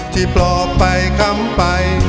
ที่ปลอกไปคำไป